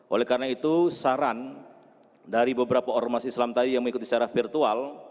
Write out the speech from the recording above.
oleh karena itu saran dari beberapa ormas islam tadi yang mengikuti secara virtual